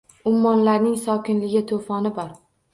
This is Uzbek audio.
Ummonlarning sokinligi, to’foni bor.